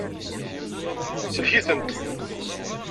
Sellek-itent.